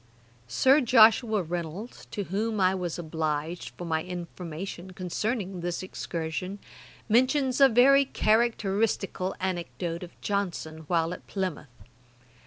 ] Sir Joshua Reynolds, to whom I was obliged for my information concerning this excursion, mentions a very characteristical anecdote of Johnson while at Plymouth.